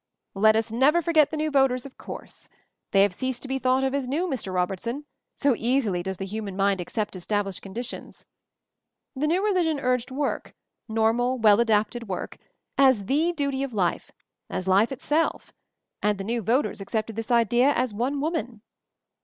"Let us never forget the new voters, of MOVING THE MOUNTAIN 129 course. They have ceased to be thought of as new, Mr. Robertson — so easily does the human mind accept established conditions. The new religion urged work — normal, well adapted work — as the duty of life — as life itself; and the new voters accepted this idea as one woman.